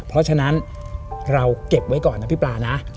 เพราะฉะนั้นเราเก็บไว้ก่อนนะพี่ปลานะ